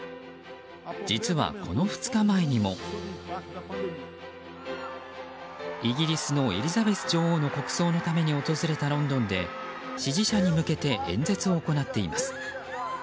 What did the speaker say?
実は、この２日前にもイギリスのエリザベス女王の国葬のために訪れたロンドンで支持者に向けて演説を行っています。